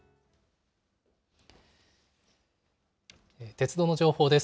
鉄道の情報です。